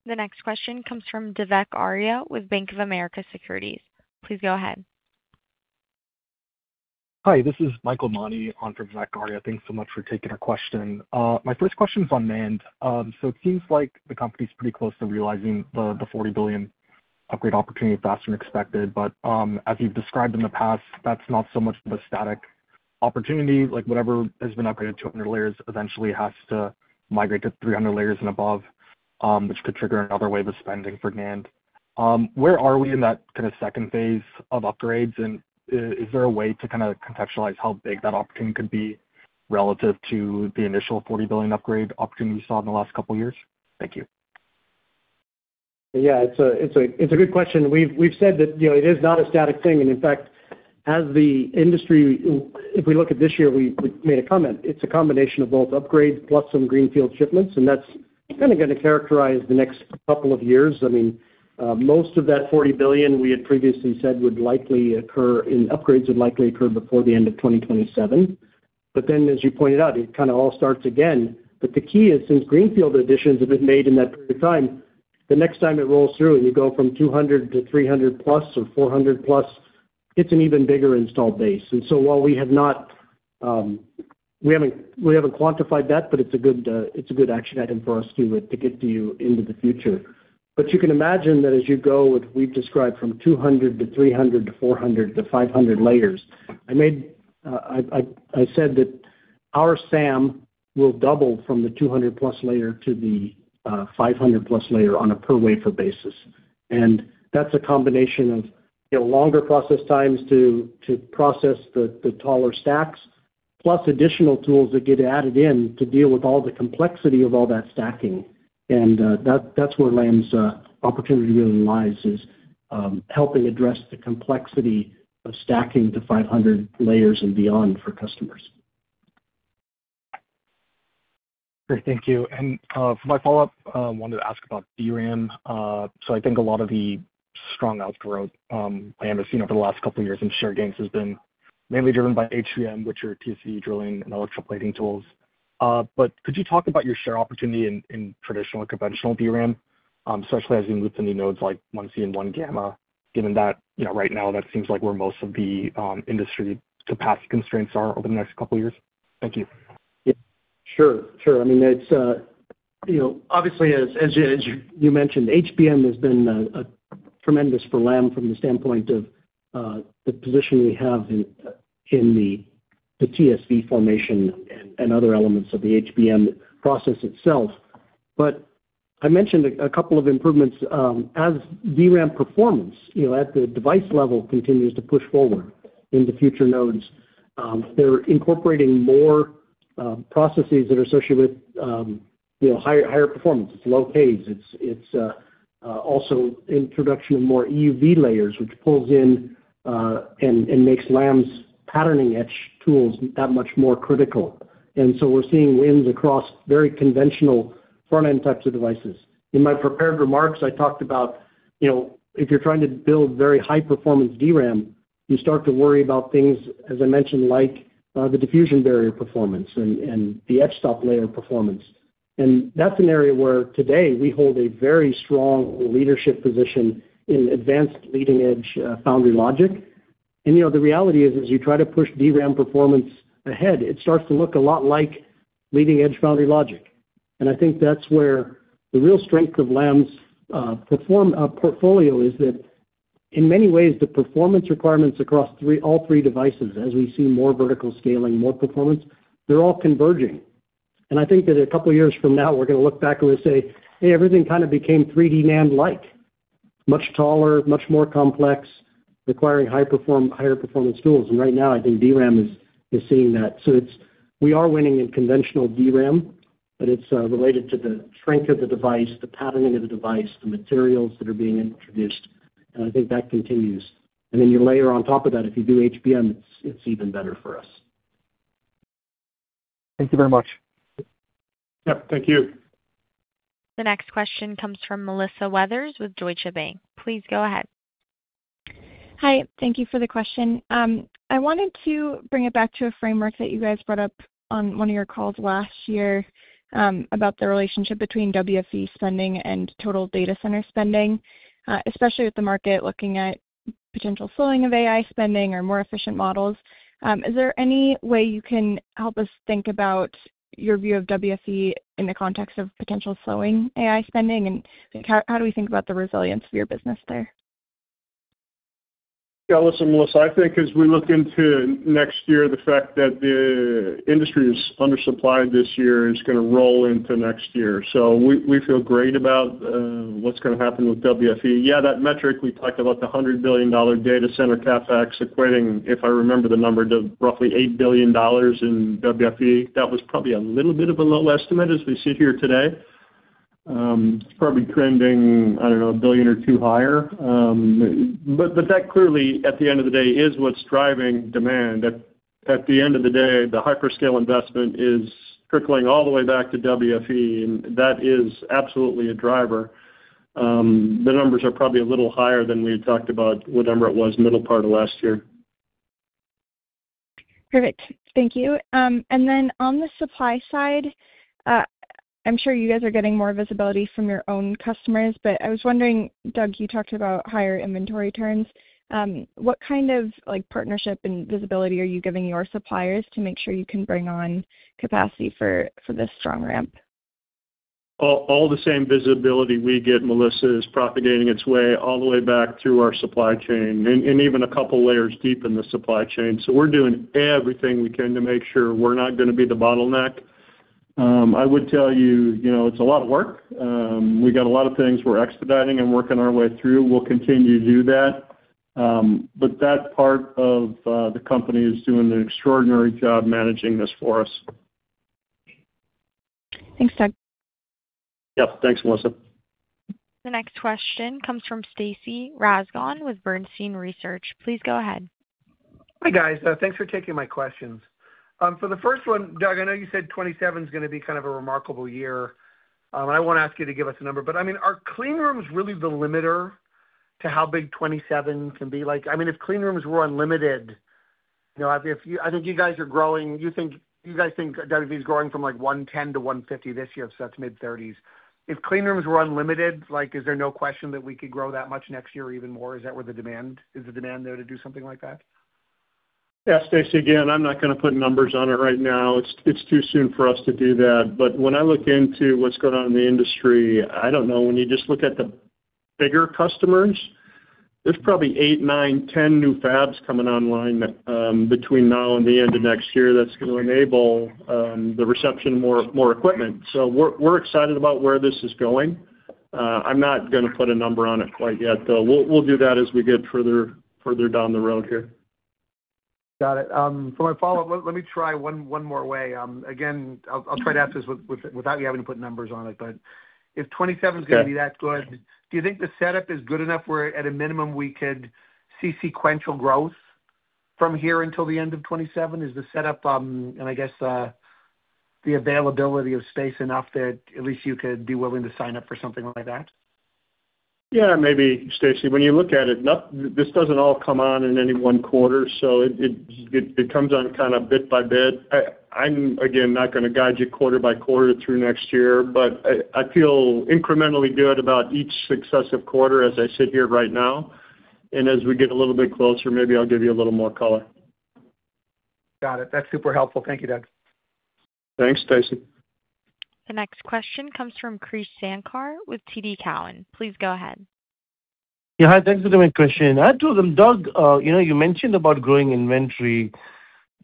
The next question comes from Vivek Arya with Bank of America Securities. Please go ahead. Hi, this is Michael Mani on for Vivek Arya. Thanks so much for taking our question. My first question is on NAND. It seems like the company's pretty close to realizing the $40 billion upgrade opportunity faster than expected. As you've described in the past, that's not so much of a static opportunity. Like whatever has been upgraded to 200 layers eventually has to migrate to 300 layers and above, which could trigger another wave of spending for NAND. Where are we in that kind of second phase of upgrades? Is there a way to kind of contextualize how big that opportunity could be relative to the initial $40 billion upgrade opportunity we saw in the last couple of years? Thank you. Yeah, it's a good question. We've said that it is not a static thing. In fact, as the industry, if we look at this year, we made a comment. It's a combination of both upgrades plus some greenfield shipments, and that's kind of going to characterize the next couple of years. Most of that $40 billion we had previously said would likely occur in upgrades would likely occur before the end of 2027. Then, as you pointed out, it kind of all starts again. But the key is, since greenfield additions have been made in that period of time, the next time it rolls through and you go from 200-300+ or 400+, it's an even bigger installed base. While we haven't quantified that, but it's a good action item for us to get to you into the future. You can imagine that as you go, as we've described, from 200 to 300 to 400 to 500 layers. I said that our SAM will double from the 200+ layer to the 500+ layer on a per wafer basis. That's a combination of longer process times to process the taller stacks, plus additional tools that get added in to deal with all the complexity of all that stacking. That's where Lam's opportunity really lies, is helping address the complexity of stacking to 500 layers and beyond for customers. Great, thank you. For my follow-up, I wanted to ask about DRAM. I think a lot of the strong outgrowth Lam has seen over the last couple of years in share gains has been mainly driven by HBM, which are TSV drilling and electroplating tools. Could you talk about your share opportunity in traditional and conventional DRAM, especially as you move to new nodes like 1C and 1-gamma? Given that right now, that seems like where most of the industry capacity constraints are over the next couple of years. Thank you. Yeah, sure. Obviously, as you mentioned, HBM has been tremendous for Lam from the standpoint of the position we have in the TSV formation and other elements of the HBM process itself. I mentioned a couple of improvements. As DRAM performance at the device level continues to push forward into future nodes, they're incorporating more processes that are associated with higher performance. It's low-k's. It's also introduction of more EUV layers, which pulls in and makes Lam's patterning etch tools that much more critical. We're seeing wins across very conventional front-end types of devices. In my prepared remarks, I talked about if you're trying to build very high-performance DRAM, you start to worry about things, as I mentioned, like the diffusion barrier performance and the etch stop layer performance. That's an area where today we hold a very strong leadership position in advanced leading-edge foundry logic. The reality is, as you try to push DRAM performance ahead, it starts to look a lot like leading-edge foundry logic. I think that's where the real strength of Lam's portfolio is that in many ways, the performance requirements across all three devices, as we see more vertical scaling, more performance, they're all converging. I think that a couple of years from now, we're going to look back and we'll say, "Hey, everything kind of became 3D NAND-like." Much taller, much more complex, requiring higher performance tools. Right now, I think DRAM is seeing that. We are winning in conventional DRAM, but it's related to the strength of the device, the patterning of the device, the materials that are being introduced, and I think that continues. Then you layer on top of that, if you do HBM, it's even better for us. Thank you very much. Yep, thank you. The next question comes from Melissa Weathers with Deutsche Bank. Please go ahead. Hi. Thank you for the question. I wanted to bring it back to a framework that you guys brought up on one of your calls last year, about the relationship between WFE spending and total data center spending. Especially with the market looking at potential slowing of AI spending or more efficient models. Is there any way you can help us think about your view of WFE in the context of potential slowing AI spending, and how do we think about the resilience of your business there? Yeah. Listen, Melissa, I think as we look into next year, the fact that the industry is undersupplied this year is going to roll into next year. We feel great about what's going to happen with WFE. Yeah, that metric, we talked about the $100 billion data center CapEx equating, if I remember the number, to roughly $8 billion in WFE. That was probably a little bit of a low estimate as we sit here today. It's probably trending, I don't know, a billion or two higher. That clearly, at the end of the day, is what's driving demand. At the end of the day, the hyperscale investment is trickling all the way back to WFE, and that is absolutely a driver. The numbers are probably a little higher than we had talked about, whatever it was, middle part of last year. Perfect. Thank you. On the supply side, I'm sure you guys are getting more visibility from your own customers, but I was wondering, Doug, you talked about higher inventory turns. What kind of partnership and visibility are you giving your suppliers to make sure you can bring on capacity for this strong ramp? All the same visibility we get, Melissa, is propagating its way all the way back through our supply chain, and even a couple of layers deep in the supply chain. We're doing everything we can to make sure we're not going to be the bottleneck. I would tell you, it's a lot of work. We got a lot of things we're expediting and working our way through. We'll continue to do that. That part of the company is doing an extraordinary job managing this for us. Thanks, Doug. Yep. Thanks, Melissa. The next question comes from Stacy Rasgon with Bernstein Research. Please go ahead. Hi, guys. Thanks for taking my questions. For the first one, Doug, I know you said 2027 is going to be kind of a remarkable year. I want to ask you to give us a number, but I mean, are clean rooms really the limiter to how big 2027 can be? If clean rooms were unlimited, I think you guys think WFE is growing from like 110-150 this year, so that's mid-30s. If clean rooms were unlimited, is there no question that we could grow that much next year or even more? Is the demand there to do something like that? Yeah. Stacy, again, I'm not going to put numbers on it right now. It's too soon for us to do that. When I look into what's going on in the industry, I don't know. When you just look at the bigger customers, there's probably eight, nine, 10 new fabs coming online between now and the end of next year that's going to enable the reception of more equipment. We're excited about where this is going. I'm not going to put a number on it quite yet, though. We'll do that as we get further down the road here. Got it. For my follow-up, let me try one more way. Again, I'll try to ask this without you having to put numbers on it, but if 2027 is going to be that good, do you think the setup is good enough where at a minimum, we could see sequential growth from here until the end of 2027? Is the setup, and I guess, the availability of space enough that at least you could be willing to sign up for something like that? Yeah, maybe, Stacy. When you look at it, this doesn't all come on in any one quarter, so it comes on kind of bit by bit. I'm, again, not going to guide you quarter-by-quarter through next year, but I feel incrementally good about each successive quarter as I sit here right now. As we get a little bit closer, maybe I'll give you a little more color. Got it. That's super helpful. Thank you, Doug. Thanks, Stacy. The next question comes from Krish Sankar with TD Cowen. Please go ahead. Yeah. Hi. Thanks for taking my question. I had two of them. Doug, you mentioned about growing inventory,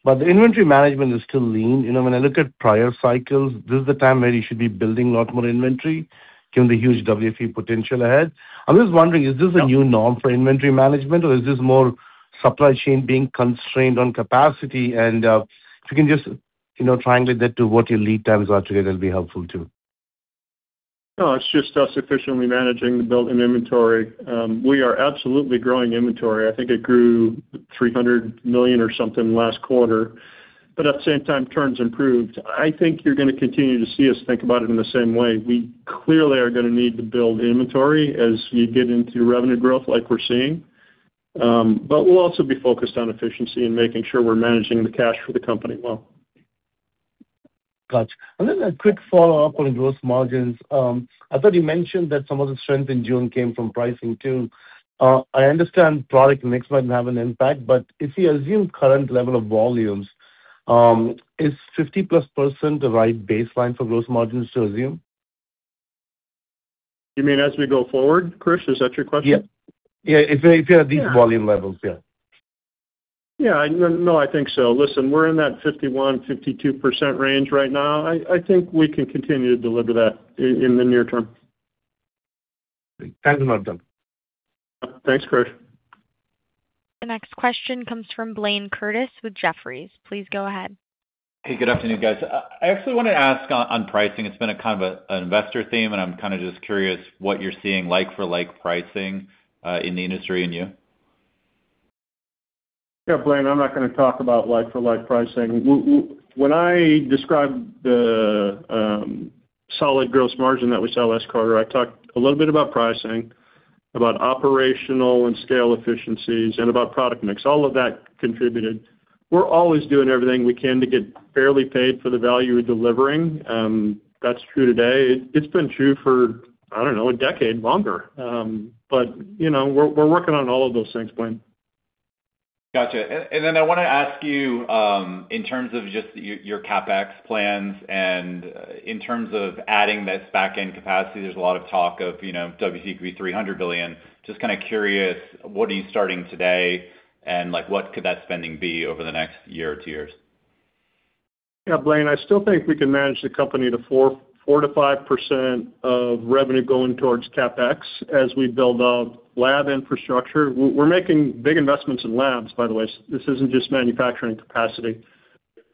but the inventory management is still lean. When I look at prior cycles, this is the time where you should be building a lot more inventory, given the huge WFE potential ahead. I'm just wondering, is this a new norm for inventory management, or is this more supply chain being constrained on capacity? If you can just triangulate that to what your lead times are today, that'd be helpful too. No, it's just us efficiently managing the built-in inventory. We are absolutely growing inventory. I think it grew $300 million or something last quarter, but at the same time, turns improved. I think you're going to continue to see us think about it in the same way. We clearly are going to need to build inventory as you get into revenue growth like we're seeing. We'll also be focused on efficiency and making sure we're managing the cash for the company well. Got you. A quick follow-up on gross margins. I thought you mentioned that some of the strength in June came from pricing too. I understand product mix might have an impact, but if you assume current level of volumes, is 50%+ the right baseline for gross margins to assume? You mean as we go forward, Krish? Is that your question? Yeah. If you're at these volume levels, yeah. Yeah. No, I think so. Listen, we're in that 51%-52% range right now. I think we can continue to deliver that in the near term. Thanks a lot, Doug. Thanks, Krish. The next question comes from Blayne Curtis with Jefferies. Please go ahead. Hey, good afternoon, guys. I actually want to ask on pricing. It's been a kind of an investor theme, and I'm kind of just curious what you're seeing like-for-like pricing, in the industry and you. Yeah, Blayne, I'm not going to talk about like-for-like pricing. When I describe the solid gross margin that we saw last quarter, I talked a little bit about pricing, about operational and scale efficiencies, and about product mix. All of that contributed. We're always doing everything we can to get fairly paid for the value we're delivering. That's true today. It's been true for, I don't know, a decade, longer. We're working on all of those things, Blayne. Got you. I want to ask you, in terms of just your CapEx plans and in terms of adding this back-end capacity, there's a lot of talk of WFE $300 billion. Just kind of curious, what are you starting today, and what could that spending be over the next year or two years? Yeah, Blayne, I still think we can manage the company to 4%-5% of revenue going towards CapEx as we build out lab infrastructure. We're making big investments in labs, by the way. This isn't just manufacturing capacity.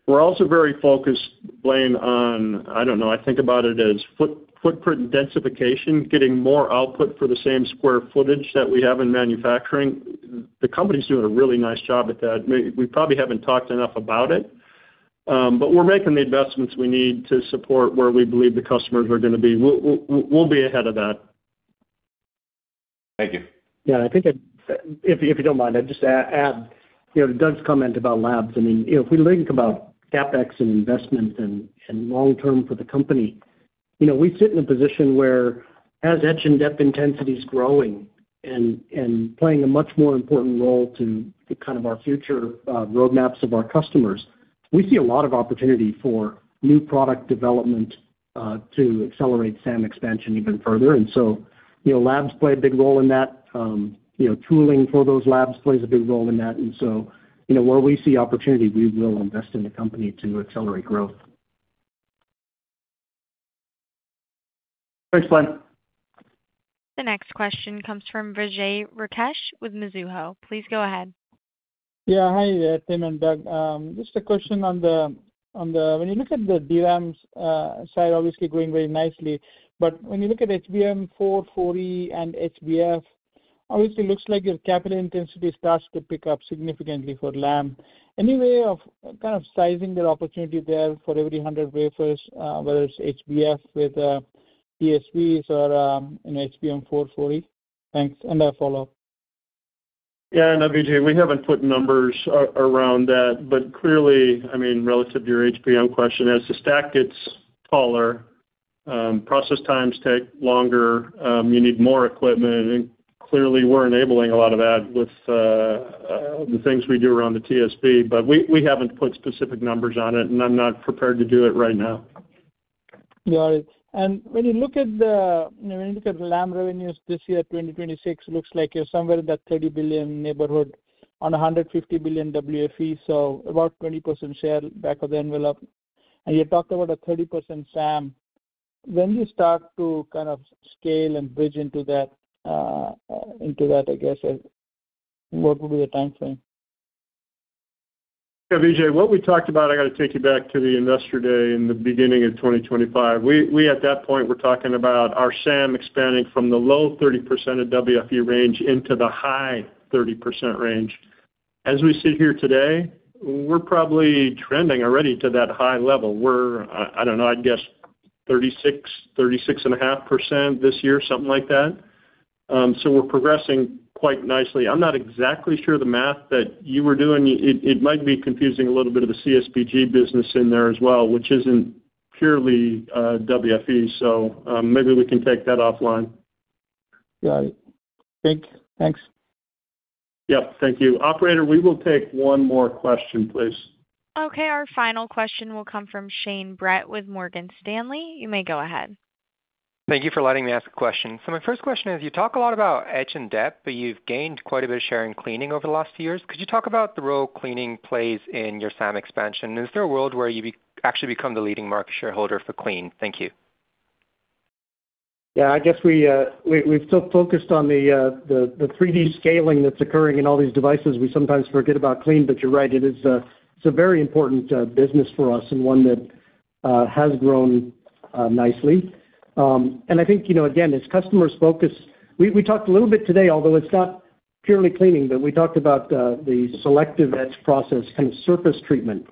We're also very focused, Blayne, on, I don't know, I think about it as footprint densification, getting more output for the same square footage that we have in manufacturing. The company's doing a really nice job at that. We probably haven't talked enough about it. We're making the investments we need to support where we believe the customers are going to be. We'll be ahead of that. Thank you. I think if you don't mind, I'd just add to Doug's comment about labs. If we think about CapEx and investments and long-term for the company, we sit in a position where as etch and dep intensity is growing and playing a much more important role to kind of our future roadmaps of our customers, we see a lot of opportunity for new product development, to accelerate SAM expansion even further. Labs play a big role in that. Tooling for those labs plays a big role in that. Where we see opportunity, we will invest in the company to accelerate growth. Thanks, Blayne. The next question comes from Vijay Rakesh with Mizuho. Please go ahead. Hi, Tim and Doug. Just a question on when you look at the DRAMs side, obviously going very nicely, but when you look at HBM4 and HBM4E, obviously looks like your capital intensity starts to pick up significantly for Lam. Any way of kind of sizing the opportunity there for every 100 wafers, whether it's HBM4E with TSVs or in HBM4? Thanks, I have follow-up. Yeah, Vijay, we haven't put numbers around that, clearly, I mean, relative to your HBM question, as the stack gets taller, process times take longer, you need more equipment, clearly we're enabling a lot of that with the things we do around the TSV. We haven't put specific numbers on it, and I'm not prepared to do it right now. Got it. When you look at the Lam revenues this year, 2026, looks like you're somewhere in that $30 billion neighborhood on $150 billion WFE, so about 20% share back of the envelope. You talked about a 30% SAM. When do you start to kind of scale and bridge into that, I guess? What would be the timeframe? Yeah, Vijay, what we talked about, I got to take you back to the Investor Day in the beginning of 2025. We at that point, were talking about our SAM expanding from the low 30% of WFE range into the high 30% range. As we sit here today, we're probably trending already to that high level. We're, I don't know, I'd guess 36%, 36.5% this year, something like that. We're progressing quite nicely. I'm not exactly sure the math that you were doing. It might be confusing a little bit of the CSBG business in there as well, which isn't purely WFE. Maybe we can take that offline. Got it. Great. Thanks. Yep. Thank you. Operator, we will take one more question, please. Okay. Our final question will come from Shane Brett with Morgan Stanley. You may go ahead. Thank you for letting me ask a question. My first question is, you talk a lot about etch and dep, but you've gained quite a bit of share in cleaning over the last few years. Could you talk about the role cleaning plays in your SAM expansion? Is there a world where you actually become the leading market shareholder for clean? Thank you. Yeah, I guess we've so focused on the 3D scaling that's occurring in all these devices, we sometimes forget about clean. You're right, it's a very important business for us and one that has grown nicely. I think, again, as customers focus-- we talked a little bit today, although it's not purely cleaning, but we talked about the selective etch process kind of surface treatment.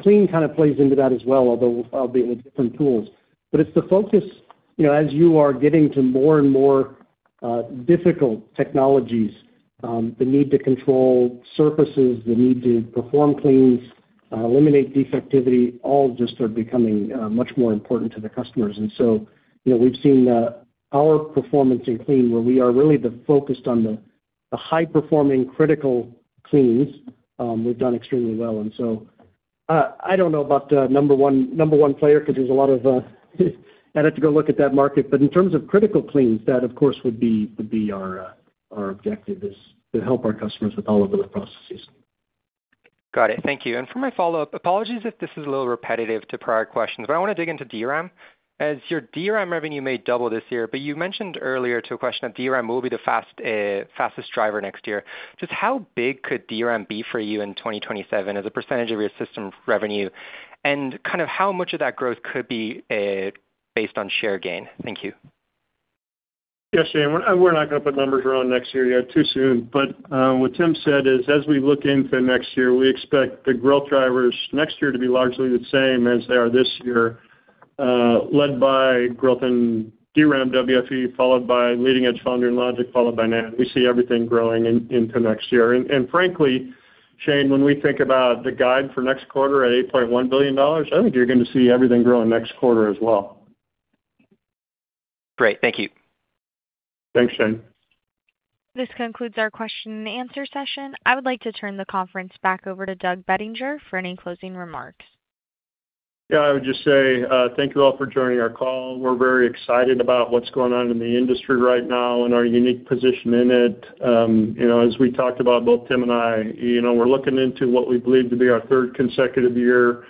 Clean kind of plays into that as well, although obviously with different tools. It's the focus as you are getting to more and more difficult technologies, the need to control surfaces, the need to perform cleans, eliminate defectivity, all just are becoming much more important to the customers. We've seen our performance in clean, where we are really the focused on the high-performing critical cleans, we've done extremely well. I don't know about the number one player, because I'd have to go look at that market. In terms of critical cleans, that of course would be our objective, is to help our customers with all of their processes. Got it. Thank you. For my follow-up, apologies if this is a little repetitive to prior questions, I want to dig into DRAM. Your DRAM revenue may double this year, you mentioned earlier to a question that DRAM will be the fastest driver next year. Just how big could DRAM be for you in 2027 as a percentage of your system revenue? Kind of how much of that growth could be based on share gain? Thank you. Yes, Shane, we're not going to put numbers around next year yet. Too soon. What Tim said is, as we look into next year, we expect the growth drivers next year to be largely the same as they are this year, led by growth in DRAM WFE, followed by leading-edge foundry and logic, followed by NAND. We see everything growing into next year. Frankly, Shane, when we think about the guide for next quarter at $8.1 billion, I think you're going to see everything growing next quarter as well. Great. Thank you. Thanks, Shane. This concludes our question and answer session. I would like to turn the conference back over to Doug Bettinger for any closing remarks. Yeah, I would just say thank you all for joining our call. We're very excited about what's going on in the industry right now and our unique position in it. As we talked about, both Tim and I, we're looking into what we believe to be our third consecutive year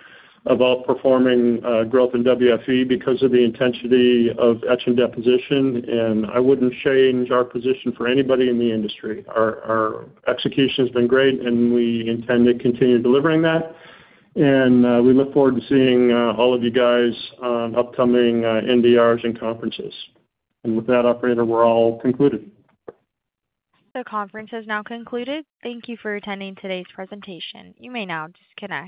of outperforming growth in WFE because of the intensity of etch and deposition, and I wouldn't change our position for anybody in the industry. Our execution's been great, and we intend to continue delivering that. We look forward to seeing all of you guys on upcoming NDRs and conferences. With that, operator, we're all concluded. The conference has now concluded. Thank you for attending today's presentation. You may now disconnect.